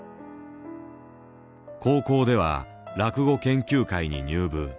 高校では落語研究会に入部。